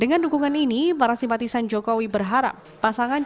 dengan dukungan ini para simpatisan jokowi berharap pasangan